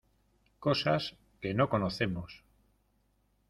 cosas que no conocemos...